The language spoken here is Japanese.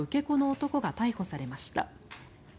男が逮捕されました。